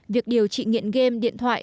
việc điều trị nghiện game điện thoại